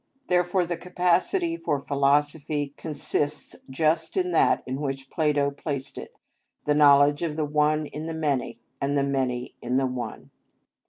Therefore the capacity for philosophy consists just in that in which Plato placed it, the knowledge of the one in the many, and the many in the one.